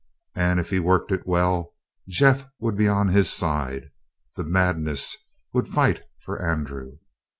And if he worked it well, Jeff would be on his side. The madness would fight for Andrew.